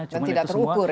dan tidak terukur ya